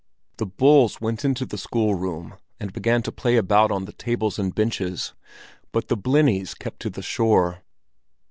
The "bulls" went into the schoolroom, and began to play about on the tables and benches, but the "blennies" kept to the shore.